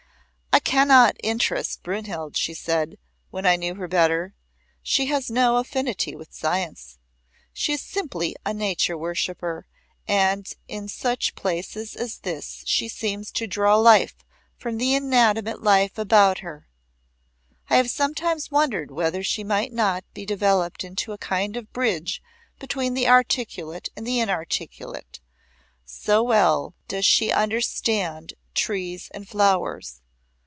"I cannot interest Brynhild," she said, when I knew her better. "She has no affinity with science. She is simply a nature worshipper, and in such places as this she seems to draw life from the inanimate life about her. I have sometimes wondered whether she might not be developed into a kind of bridge between the articulate and the inarticulate, so well does she understand trees and flowers.